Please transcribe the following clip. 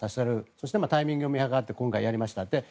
そして、タイミングを見計らって今回やりました。